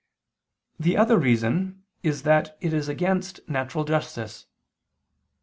The other reason is that it is against natural justice.